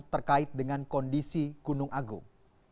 terkait dengan kondisi gunung agung